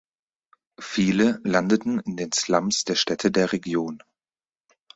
Viele landeten in den Slums der Städte der Region.